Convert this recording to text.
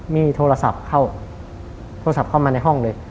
มีโทรศัพท์เข้าโทรศัพท์เข้ามาในห้องเลย